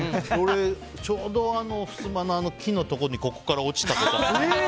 俺もちょうどふすまの木のところにここから落ちたとか。